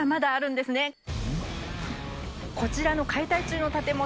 こちらの解体中の建物。